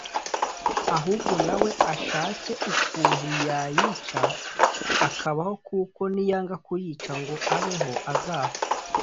ahubwo na we ashake ukuntu yayica akabaho kuko niyanga kuyica ngo abeho azapfa’’